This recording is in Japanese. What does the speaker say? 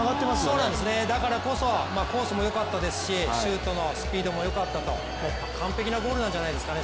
だからこそコースもよかったですし、シュートのスピードもよかったと完璧なゴールなんじゃないですかね。